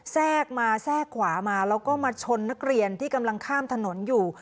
แทรกมาแทรกขวามาแล้วก็มาชนนักเรียนที่กำลังข้ามถนนอยู่